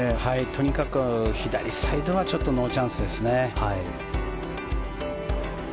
とにかく左サイドはちょっとノーチャンスですね。